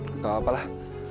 gak apa apa lah